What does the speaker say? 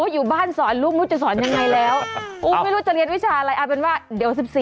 อยู่บ้านสอนลูกไม่รู้จะสอนยังไงแล้วอุ๊บไม่รู้จะเรียนวิชาอะไรเอาเป็นว่าเดี๋ยว๑๔